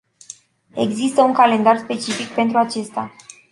Există un calendar specific pentru aceasta?